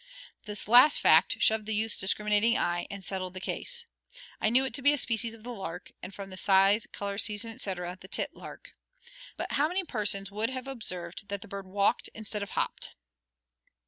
This last fact shoved the youth's discriminating eye and settled the case. I knew it to be a species of the lark, and from the size, color, season, etc., the tit lark. But how many persons would have observed that the bird walked instead of hopped?